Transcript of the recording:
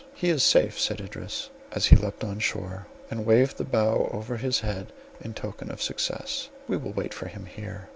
"He is safe!" said Idris, as he leapt on shore, and waved the bough over his head in token of success; "we will wait for him here."